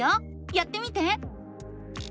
やってみて！